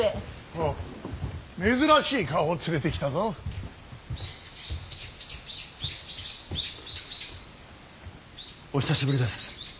おう珍しい顔を連れてきたぞ。お久しぶりです。